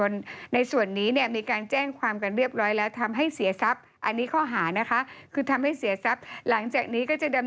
แล้วนางก็ไปหยิบปืนออกมา